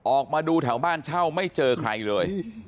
ออกมาดูแถวบ้านเช่าไม่เจอใครเลย